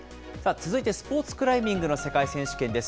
続いてスポーツクライミングの世界選手権です。